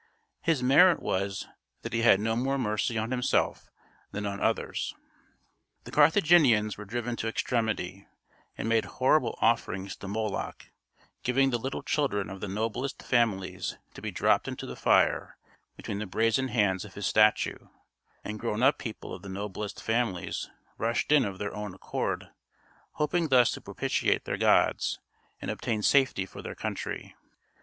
His merit was that he had no more mercy on himself than on others. The Carthaginians were driven to extremity, and made horrible offerings to Moloch, giving the little children of the noblest families to be dropped into the fire between the brazen hands of his statue, and grown up people of the noblest families rushed in of their own accord, hoping thus to propitiate their gods, and obtain safety for their country.